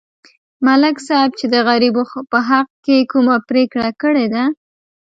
ملک صاحب چې د غریبو په حق کې کومه پرېکړه کړې ده